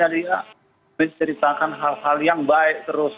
dia menceritakan hal hal yang baik terus